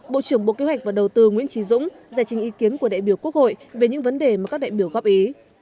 bộ trưởng bộ kế hoạch và đầu tư nguyễn trí dũng giải trình ý kiến của đại biểu quốc hội về những vấn đề mà các đại biểu góp ý